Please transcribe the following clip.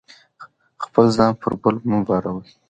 خپل ځان پر بل مه باروئ.